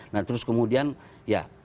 nah terus kemudian ya